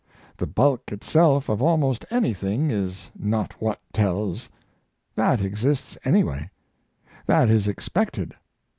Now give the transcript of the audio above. The bulk itself of almost anything is not what tells. That exists anyway. That is expected.